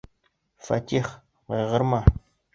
Фәтих, ҡайғырма.